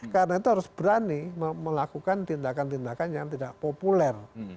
karena itu harus berani melakukan tindakan tindakan yang tidak populer